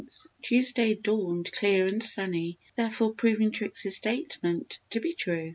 Tuesday dawned clear and sunny, therefore proving Trixie's statement to be true.